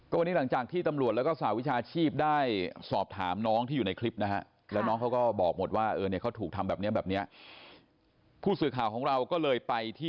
ครับคือเดินเรื่องคดี